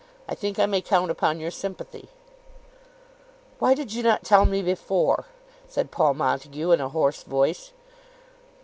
I think I may count upon your sympathy." "Why did you not tell me before?" said Paul Montague in a hoarse voice.